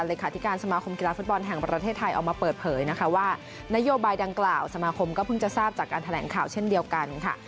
เลขาธิการสมาคมกีฬาฟุตบอลแห่งประเทศไทยออกมาเปิดเผยนะคะว่านโยบายดังกล่าวสมาคมก็เพิ่งจะทราบจากการแถลงข่าวเช่นเดียวกันค่ะ